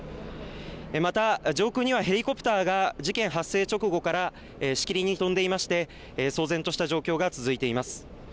また、上空にはヘリコプターが事件発生直後からしきりに飛んでいまして騒然とした状況が続いています。